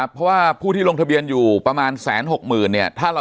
เพราะว่าผู้ที่ลงทะเบียนอยู่ประมาณ๑๖๐๐๐เนี่ย